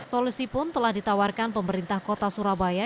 solusi pun telah ditawarkan pemerintah kota surabaya